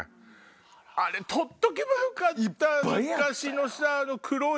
あれ取っとけばよかった！